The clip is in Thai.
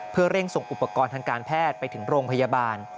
เพื่อเร่งส่งอุปกรณ์ทางการแพทย์ไปถึงโรงพยาบาล